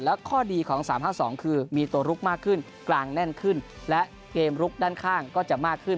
แล้วข้อดีของ๓๕๒คือมีตัวลุกมากขึ้นกลางแน่นขึ้นและเกมลุกด้านข้างก็จะมากขึ้น